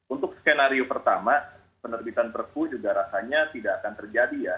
untuk skenario pertama penerbitan perpu juga rasanya tidak akan terjadi ya